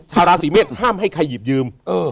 ชาวราศีเมษห้ามให้ใครหยิบยืม